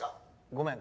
ごめん。